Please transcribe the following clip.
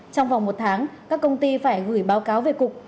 trong vòng một tháng các công ty phải gửi báo cáo về cục